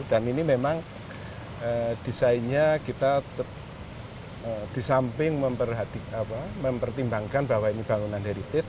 dan ini memang desainnya kita di samping memperhatikan mempertimbangkan bahwa ini bangunan heritage